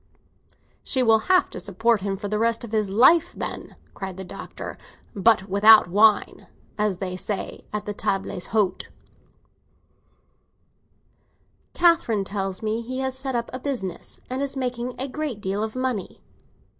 "She will have to support him for the rest of his life, then!" cried the Doctor. "But without wine, as they say at the tables d'hôte." "Catherine tells me he has set up a business, and is making a great deal of money."